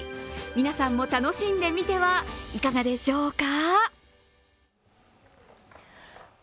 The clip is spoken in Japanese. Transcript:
皆さんも楽しんでみてはいかがでしょうか。